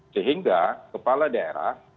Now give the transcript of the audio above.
sehingga kepala daerah